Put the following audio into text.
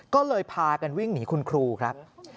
ก็เลยพากันวิ่งหนีคุณครูครับ